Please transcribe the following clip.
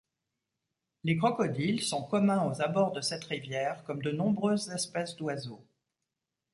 Les crocodiles sont communs aux abords de cette rivière comme de nombreuses espèces d'oiseaux.